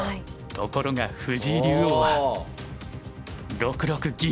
ところが藤井竜王は６六銀。